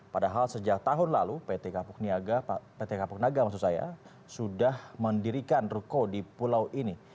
padahal sejak tahun lalu pt kapuk niaga pt kapuk naga maksud saya sudah mendirikan ruko di pulau ini